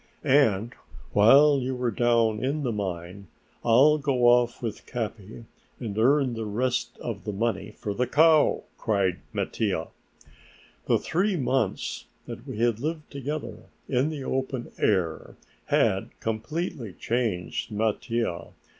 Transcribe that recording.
"And while you are down in the mine I'll go off with Capi and earn the rest of the money for the cow," cried Mattia. The three months that we had lived together in the open air had completely changed Mattia.